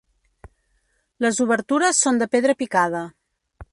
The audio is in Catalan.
Les obertures són de pedra picada.